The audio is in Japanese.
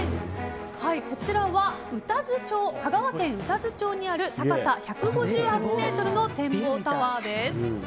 こちらは香川県宇多津町にある高さ１５８ｍの展望タワーです。